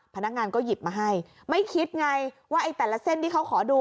พนักงานก็หยิบมาให้ไม่คิดไงว่าไอ้แต่ละเส้นที่เขาขอดู